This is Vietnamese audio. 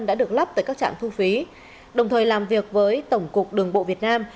đã được lắp tại các trạm thu phí đồng thời làm việc với tổng cục đường bộ việt nam